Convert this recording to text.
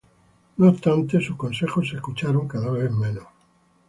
No obstante, sus consejos fueron escuchados cada vez menos.